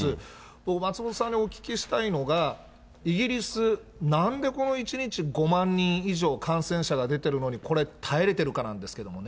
僕、松本さんにお聞きしたいのが、イギリス、なんでこの１日５万人以上感染者が出てるのに、これ、耐えれてるかなんですけどもね。